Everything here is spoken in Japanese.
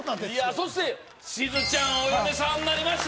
そしてしずちゃんお嫁さんになりました